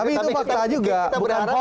tapi itu fakta juga bukan hoax